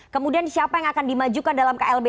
kemudian siapa yang akan dimajukan dalam klb